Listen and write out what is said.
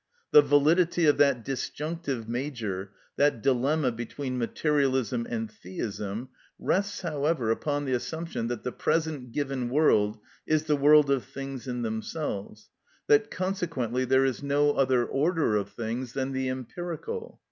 The validity of that disjunctive major, that dilemma between materialism and theism, rests, however, upon the assumption that the present given world is the world of things in themselves; that consequently there is no other order of things than the empirical.